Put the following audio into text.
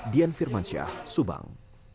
dian firmansyah subang